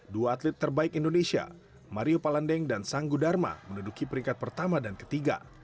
dua atlet terbaik indonesia mario palandeng dan sanggu dharma menduduki peringkat pertama dan ketiga